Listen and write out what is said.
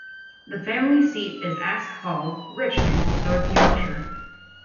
The family seat is Aske Hall, Richmond, North Yorkshire.